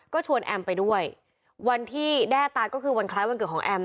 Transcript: ก็ชวนแอมไปด้วยวันที่แด้ตายก็คือวันคล้ายวันเกิดของแอม